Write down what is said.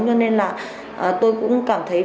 cho nên là tôi cũng cảm thấy